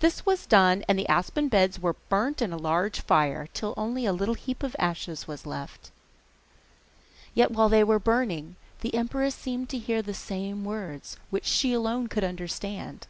This was done and the aspen beds were burnt in a large fire, till only a little heap of ashes was left. Yet while they were burning the empress seemed to hear the same words, which she alone could understand.